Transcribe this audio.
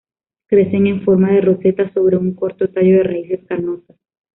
Crecen en forma de roseta sobre un corto tallo de raíces carnosas.